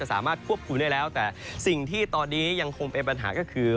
สามารถควบคุมได้แล้วแต่สิ่งที่ตอนนี้ยังคงเป็นปัญหาก็คือ